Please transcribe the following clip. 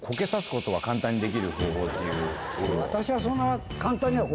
私はそんな。